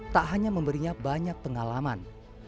tak hanya memberinya banyak pengalaman